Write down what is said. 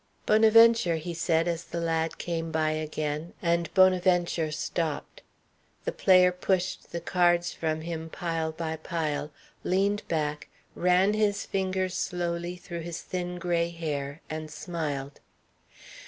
"Bonaventure," he said, as the lad came by again; and Bonaventure stopped. The player pushed the cards from him, pile by pile, leaned back, ran his fingers slowly through his thin gray hair, and smiled.